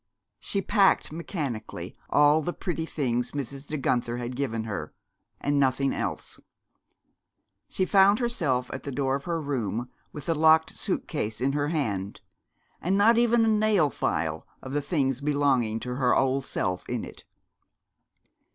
She packed, mechanically, all the pretty things Mrs. De Guenther had given her, and nothing else. She found herself at the door of her room with the locked suit case in her hand, and not even a nail file of the things belonging to her old self in it.